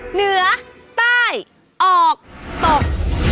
เหนือใต้ออกตก